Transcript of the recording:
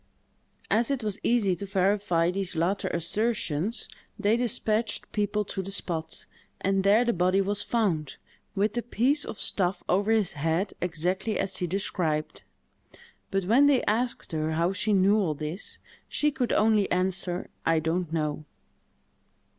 As it was easy to verify these latter assertions, they despatched people to the spot; and there the body was found, with the piece of stuff over his head, exactly as she described. But when they asked her how she knew all this, she could only answer, "I don't know."